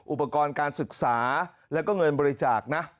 อุปกรณ์การศึกษาแล้วก็เงินบริจาคนะ